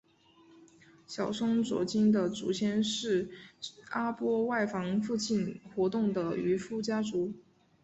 小松左京的祖先是阿波外房附近活动的渔夫家族。